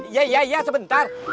iya iya iya sebentar